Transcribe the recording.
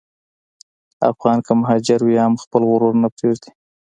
افغان که مهاجر وي، هم خپل غرور نه پرېږدي.